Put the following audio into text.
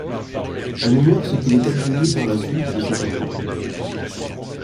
On ignore ce qu'il est advenu par la suite de cet avion.